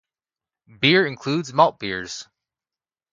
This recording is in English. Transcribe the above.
Beer includes malt beers.